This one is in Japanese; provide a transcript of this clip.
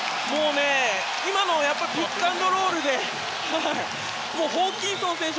今のピックアンドロールでホーキンソン選手